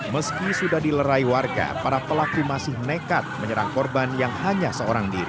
meski sudah dilerai warga para pelaku masih nekat menyerang korban yang hanya seorang diri